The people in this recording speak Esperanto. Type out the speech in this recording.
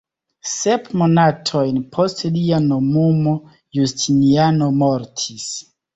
Sep monatojn post lia nomumo Justiniano mortis.